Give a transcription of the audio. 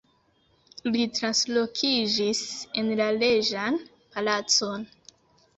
Li translokiĝis en la reĝan palacon.